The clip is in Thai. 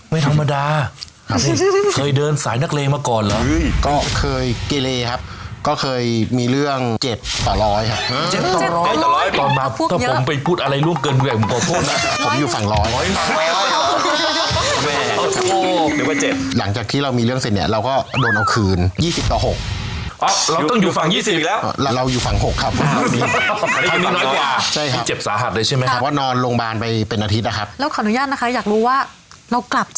ไม่ธรรมดาเคยเดินสายนักเลมาก่อนเหรอก็เคยเกเลครับก็เคยมีเรื่องเจ็บต่อร้อยครับเจ็บต่อร้อยต่อมาถ้าผมไปพูดอะไรร่วงเกินเวลาผมขอโทษนะผมอยู่ฝั่งร้อยร้อยฝั่งร้อยหรือว่าเจ็บหลังจากที่เรามีเรื่องเสร็จเนี้ยเราก็โดนเอาคืนยี่สิบต่อหกอ้าวเราต้องอยู่ฝั่งยี่สิบอีกแล้วเราอยู่ฝั่งหกครับ